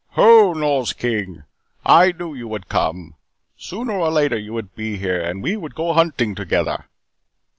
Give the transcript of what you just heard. "Ho, Nors King. I knew you would come. Sooner or later you would be here and we would go hunting together."